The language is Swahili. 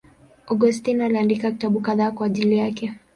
Augustino aliandika vitabu kadhaa kwa ajili yake.